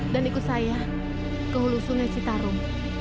dan ikut saya ke hulu sungai citarum